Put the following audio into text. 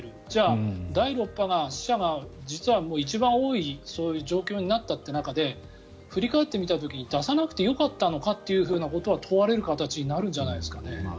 じゃあ、第６波の死者が一番多い状況になったという中で振り返ってみた時に出さなくてよかったのかということは問われる形になるんじゃないですかね。